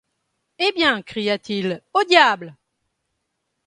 Eh bien, cria-t-il, au diable !